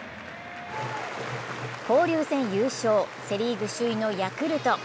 交流戦優勝、セ・リーグ首位のヤクルト。